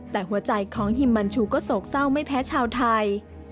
แต่หัวใจของฮิมมันชูก็โศกเศร้าไม่แพ้ชาวไทย